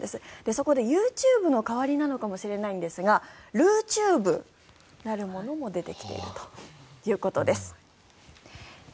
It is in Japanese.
そこでＹｏｕＴｕｂｅの代わりなのかもしれないんですがＲｕｔｕｂｅなるものも出てきているということです。